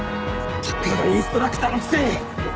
たかがインストラクターのくせに！